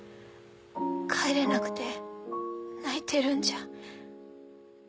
帰れなくて泣いてるんじゃ。